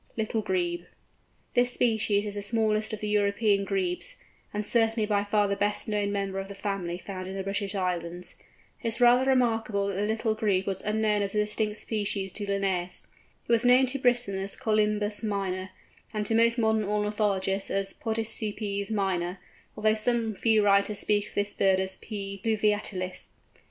LITTLE GREBE. This species is the smallest of the European Grebes, and certainly by far the best known member of the family found in the British Islands. It is rather remarkable that the Little Grebe was unknown as a distinct species to Linnæus. It was known to Brisson as Colymbus minor, and to most modern ornithologists as Podicipes minor, although some few writers speak of this bird as P. fluviatilis.